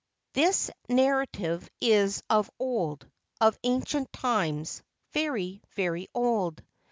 "This narrative is of old, of ancient times, very, very old.